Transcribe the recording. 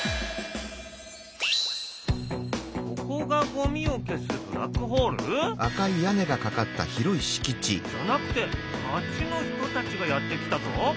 ここがゴミを消すブラックホール？じゃなくて町の人たちがやって来たぞ。